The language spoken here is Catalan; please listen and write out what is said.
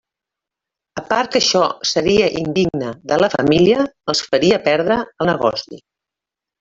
A part que això seria indigne de la família, els faria perdre el negoci!